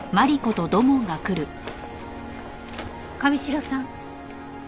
神城さん。